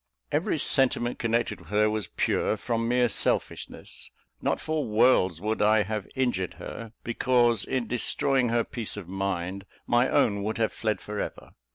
Every sentiment connected with her was pure, from mere selfishness. Not for worlds would I have injured her; because in destroying her peace of mind, my own would have fled for ever.